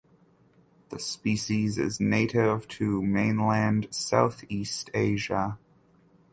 The species is native to Mainland Southeast Asia.